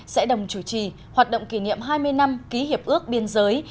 sẽ đồng chủ trì hoạt động kỷ niệm hai mươi năm ký hiệp ước biên giới